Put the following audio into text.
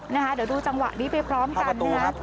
เดี๋ยวดูจังหวะนี้ไปพร้อมกันนะคะ